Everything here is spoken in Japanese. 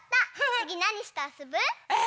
つぎなにしてあそぶ？